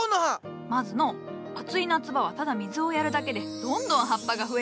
まずの暑い夏場はただ水をやるだけでどんどん葉っぱが増えるぞ。